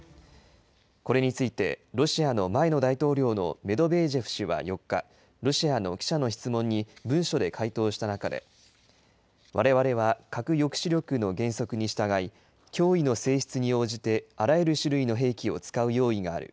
これについて、ロシアの前の大統領のメドベージェフ氏は４日、ロシアの記者の質問に文書で回答した中で、われわれは核抑止力の原則に従い、脅威の性質に応じてあらゆる種類の兵器を使う用意がある。